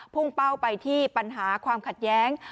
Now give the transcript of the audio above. พุ่งเป้าไปที่ปัญหาความขัดแย้ง